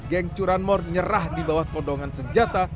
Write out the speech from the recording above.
geng curanmor nyerah dibawah kondongan senjata